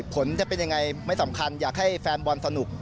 ผลจะเป็นยังไงไม่สำคัญอยากให้แฟนบอลสนุก